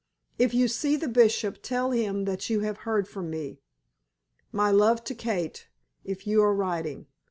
If you see the Bishop tell him that you have heard from me. My love to Kate, if you are writing.